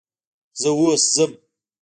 زه اوس ځم.